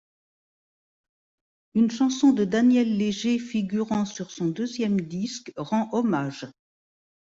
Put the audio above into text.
Une chanson de Daniel Léger figurant sur son deuxième disque rend hommage.